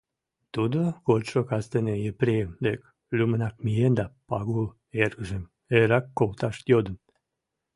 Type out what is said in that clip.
Тудо кодшо кастене Епрем дек лӱмынак миен да Пагул эргыжым эрак колташ йодын.